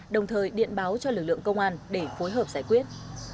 đồng thời điện báo cho lực lượng công an để phối hợp giải quyết